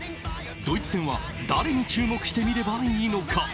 ドイツ戦は誰に注目して見ればいいのか？